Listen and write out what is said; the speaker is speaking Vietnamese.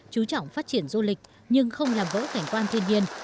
chú trọng phát triển du lịch nhưng không làm vỡ cảnh quan thiên nhiên